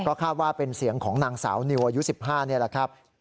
คาดว่าเป็นเสียงของนางสาวนิวอายุ๑๕นี่แหละครับ